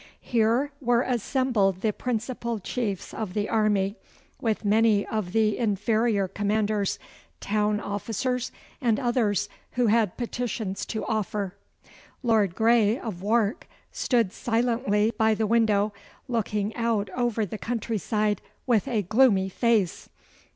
Here were assembled the principal chiefs of the army, with many of the inferior commanders, town officers, and others who had petitions to offer. Lord Grey of Wark stood silently by the window, looking out over the countryside with a gloomy face.